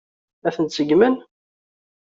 Ad ten-seggmen?